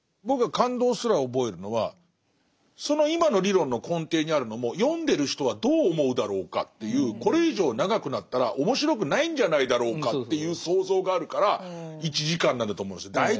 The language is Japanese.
僕は感動すら覚えるのはその今の理論の根底にあるのも読んでる人はどう思うだろうかっていうこれ以上長くなったら面白くないんじゃないだろうかっていう想像があるから１時間なんだと思うんですよ。